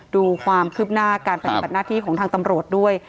ดูความคืบหน้าการปฏิบัติหน้าที่ของทางตำรวจด้วย